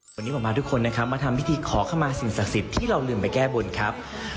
วันนี้ผมพาทุกคนนะครับมาทำพิธีขอเข้ามาสิ่งศักดิ์สิทธิ์ที่เราลืมไปแก้บนครับ